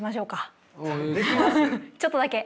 ちょっとだけ。